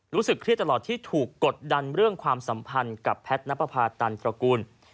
รู้สึกเครียดตลอดที่ถูกกดดันเรื่องความสัมพันธ์กับแพทย์นับประพาตันตระกูล